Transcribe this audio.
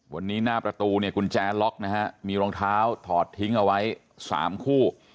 วันนี้หน้าประตูกุญแจล็กมีรองเท้าถอดทิ้งเอาไว้๓คู่